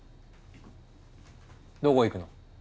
どこ行くの？